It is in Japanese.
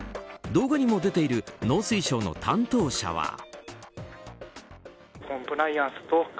動画にも出ている農水省の担当者は。